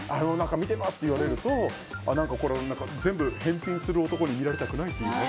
見てますって言われるとこれを全部、返品する男に見られたくないっていうね。